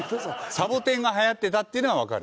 サボテンがはやってたっていうのは分かる。